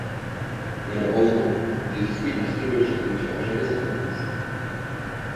Malheureusement, des fouilles archéologiques ne furent jamais entreprises.